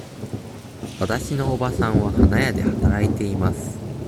わたしのおばさんは花屋で働いています。